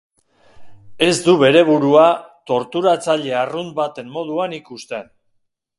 Ez du bere burua torturatzaile arrunt baten moduan ikusten.